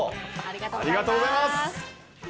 ありがとうございます。